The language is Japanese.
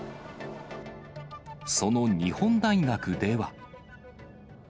その日本大学では。